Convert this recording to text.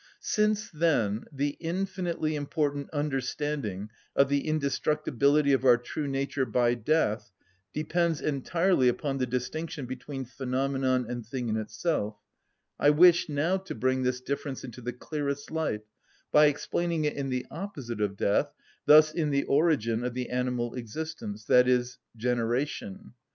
Since, then, the infinitely important understanding of the indestructibility of our true nature by death depends entirely upon the distinction between phenomenon and thing in itself, I wish now to bring this difference into the clearest light by explaining it in the opposite of death, thus in the origin of the animal existence, i.e., generation.